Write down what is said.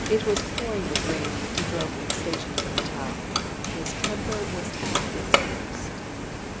It was pouring with rain when he drove from the station to the hotel. His temper was at its worst.